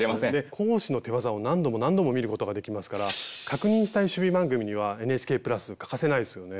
講師の手わざを何度も何度も見ることができますから確認したい趣味番組にはＮＨＫ＋欠かせないですよね。